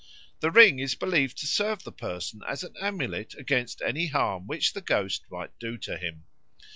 The ring is believed to serve the person as an amulet against any harm which the ghost might do to him.